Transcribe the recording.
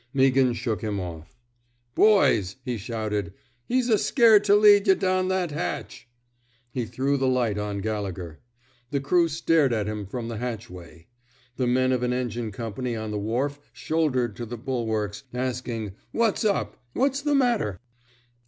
Meaghan shook him off. Boys!'' he shouted. He's a scared to lead yuh down that hatch. '^ He threw the light on Gallegher. The crew stared at him from the hatchway. The men of an engine company on the wharf shouldered to the bulwarks, asking '' What's up? What's the matter?